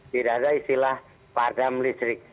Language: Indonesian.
tidak ada istilah padam listrik